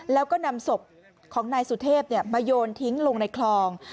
แล้วก็นำศพของนายสุเทพมาโยนทิ้งลงในคลอง